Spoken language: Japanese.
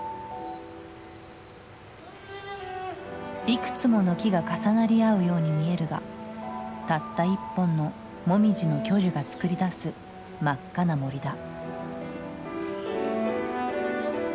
いくつもの木が重なり合うように見えるがたった一本のモミジの巨樹が作り出す真っ赤な森だ。